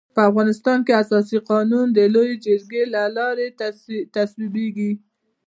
په افغانستان کي اساسي قانون د لويي جرګي د لاري تصويبيږي.